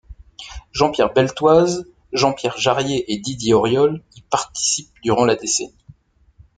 Jean-Pierre Beltoise, Jean-Pierre Jarier et Didier Auriol y participent durant la décennie.